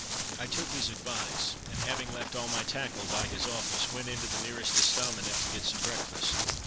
I took his advice, and having left all my tackle by his office, went into the nearest estaminet to get some breakfast.